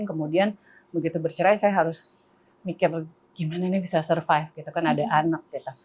kemudian begitu bercerai saya harus mikir gimana ini bisa survive gitu kan ada anak gitu